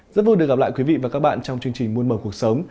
rất vui được gặp lại quý vị và các bạn trong chương trình môn mở cuộc sống